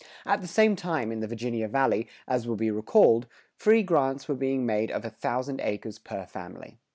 [101:6] At the same time, in the Virginia Valley, as will be recalled, free grants were being made of a thousand acres per family.